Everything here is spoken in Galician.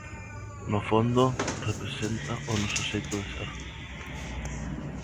No fondo, representa o noso xeito de ser.